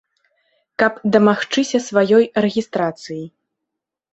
Каб дамагчыся сваёй рэгістрацыі.